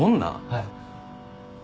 はい。